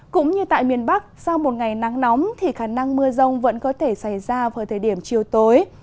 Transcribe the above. cũng như tại miền bắc sau một ngày nắng nóng thì khả năng mưa rông vẫn có thể xảy ra vào thời điểm chiều tối